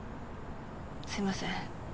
すいません。